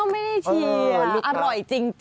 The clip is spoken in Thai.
ไม่ได้เชียร์